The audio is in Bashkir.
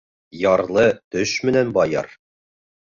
Ярлы төш менән байыр.